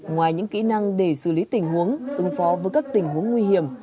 ngoài những kỹ năng để xử lý tình huống ứng phó với các tình huống nguy hiểm